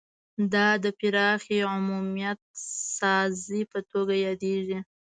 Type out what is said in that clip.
دا د پراخې عمومیت سازۍ په توګه یادیږي